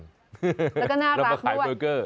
แล้วก็น่ารักด้วยแล้วมาขายเบอร์เกอร์